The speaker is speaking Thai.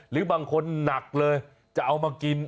หรือบางคนหนักเลยจะเอามากิน